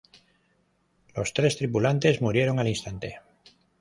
Los tres tripulantes murieron al instante.